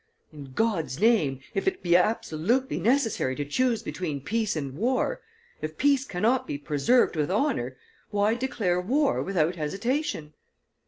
... In God's name, if it be absolutely necessary to choose between peace and war, if peace cannot be preserved with honor, why not declare war without hesitation?